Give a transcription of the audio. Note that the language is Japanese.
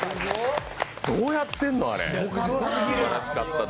どうやってるの、あれ。